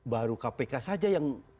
baru kpk saja yang